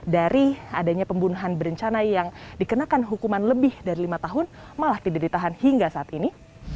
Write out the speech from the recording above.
dari adanya pembunuhan berencana yang dikenakan hukuman lebih dari lima tahun malah tidak ditahan hingga saat ini